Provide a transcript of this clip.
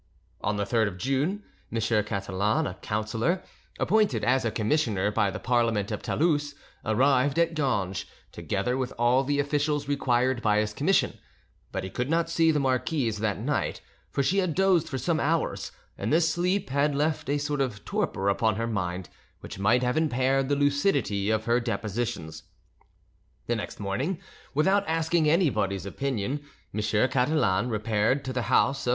On the 3rd of June, M. Catalan, a councillor, appointed as a commissioner by the Parliament of Toulouse, arrived at Ganges, together with all the officials required by his commission; but he could not see the marquise that night, for she had dozed for some hours, and this sleep had left a sort of torpor upon her mind, which might have impaired the lucidity of her depositions. The next morning, without asking anybody's opinion, M. Catalan repaired to the house of M.